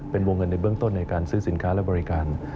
เป็นวงเงินในเบื้องต้นในการซื้อสินค้าและบริการ